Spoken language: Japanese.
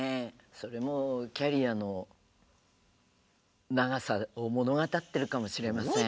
それもキャリアの長さを物語ってるかもしれません。